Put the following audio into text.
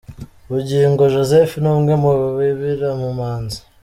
Bugingo Joseph, ni umwe mu bibira mu mazi.